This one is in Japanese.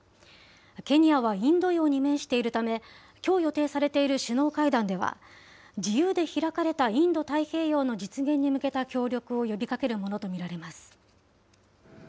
ケニアはインド洋に面しているため、きょう予定されている首脳会談では、自由で開かれたインド太平洋の実現に向けた協力を呼びかけるものと見られます。